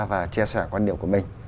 và chia sẻ quan điểm của mình